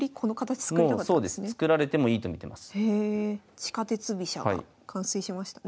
地下鉄飛車が完成しましたね。